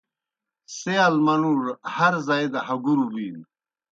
سِیال منُوڙوْ ہر زائی دہ ہگُروْ بِینوْ۔